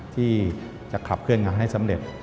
ที่จะขับเคลื่อนงานให้สำเร็จ